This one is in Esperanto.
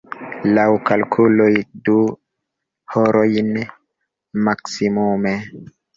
Laŭ kalkuloj, du horojn maksimume.